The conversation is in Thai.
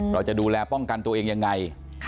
เราจะดูแลป้องกันตัวเองยังไง